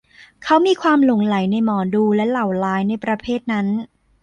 เขามีความหลงใหลในหมอดูและเหล่าร้ายในประเภทนั้น